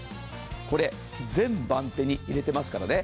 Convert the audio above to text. これ全番手に入れてますからね。